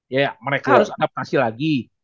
ya mereka harus adaptasi lagi